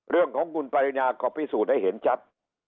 เรื่องของคุณปรินาก็พิสูจน์ให้เห็นชัด